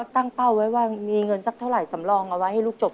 ตั้งเป้าไว้ว่ามีเงินสักเท่าไหร่สำรองเอาไว้ให้ลูกจบ